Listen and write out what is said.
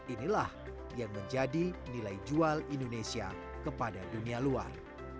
inilah yang menjadi nilai jual indonesia kepada dunia luar